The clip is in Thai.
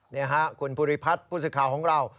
นี่ค่ะคุณภูริพัฒน์ผู้สื่อข่าวของเรา